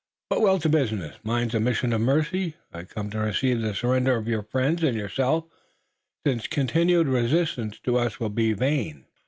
But we'll to business. Mine's a mission of mercy. I come to receive the surrender of your friends and yourself, since continued resistance to us will be vain!"